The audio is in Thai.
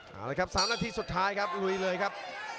เอาละครับ๓นาทีสุดท้ายครับลุยเลยครับ